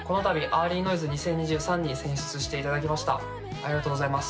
ありがとうございます。